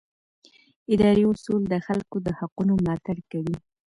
اداري اصول د خلکو د حقونو ملاتړ کوي.